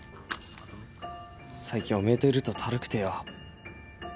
最近おめえといるとタルくてよ